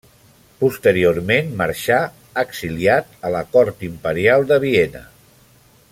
Posteriorment marxà, exiliat, a la cort imperial de Viena.